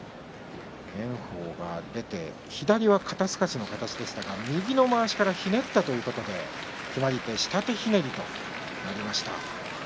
炎鵬が出て左が肩すかしの形ですが右のまわしからひねったということで決まり手は下手ひねりとなりました。